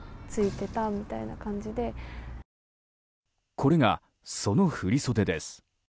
これが、その振り袖です。